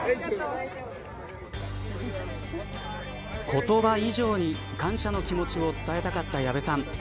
言葉以上に感謝の気持ちを伝えたかった矢部さん。